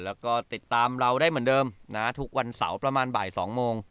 แล้วก็ติดตามเราได้เหมือนเดิมนะทุกวันเสาร์ประมาณบ่าย๒โมง